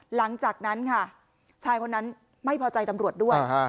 หลังจากนั้นค่ะชายคนนั้นไม่พอใจตำรวจด้วย